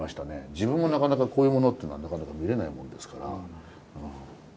自分もなかなかこういうものっていうのはなかなか見れないもんですから。